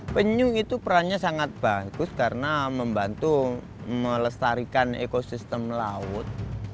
penyu itu perannya sangat bagus karena membantu melestarikan ekosistem laut